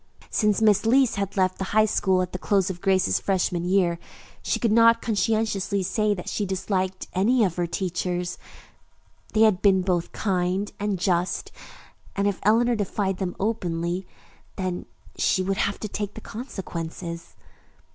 Since Miss Leece had left the High School at the close of Grace's freshman year, she could not conscientiously say that she disliked any of her teachers. They had been both kind and just, and if Eleanor defied them openly, then she would have to take the consequences.